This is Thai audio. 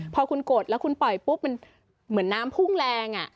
พอคุณกดแล้วคุณปล่อยปุ๊บมันเหมือนน้ำพุ่งแรง